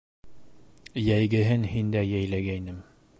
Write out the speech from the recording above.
Йәйгенәһен һиндә йәйләгәйнем